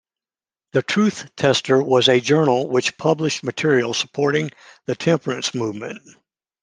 The Truth-Tester was a journal which published material supporting the temperance movement.